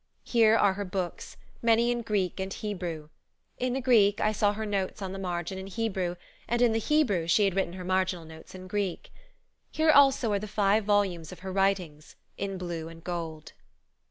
Here are her books, many in Greek and Hebrew. In the Greek, I saw her notes on the margin in Hebrew, and in the Hebrew she had written her marginal notes in Greek. Here also are the five volumes of her writings, in blue and gold.